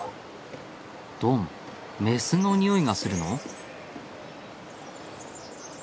ドンメスの匂いがするの？